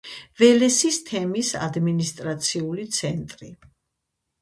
ველესის თემის ადმინისტრაციული ცენტრი.